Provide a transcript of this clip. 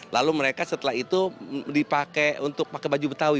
lalu mereka setelah itu dipakai untuk pakai baju betawi